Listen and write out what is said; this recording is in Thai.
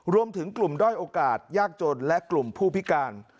รวมถึงกลุ่มด้อยโอกาสยากจนและกลุ่มผู้พิการ